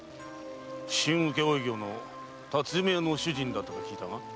普請請負業の辰巳屋の主人だと聞いたが。